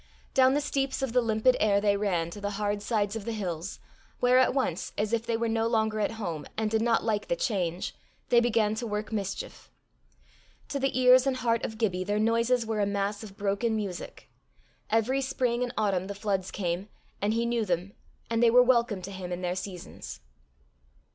Down the steeps of the limpid air they ran to the hard sides of the hills, where at once, as if they were no longer at home, and did not like the change, they began to work mischief. To the ears and heart of Gibbie their noises were a mass of broken music. Every spring and autumn the floods came, and he knew them, and they were welcome to him in their seasons.